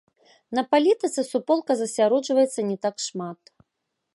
На палітыцы суполка засяроджваецца не так шмат.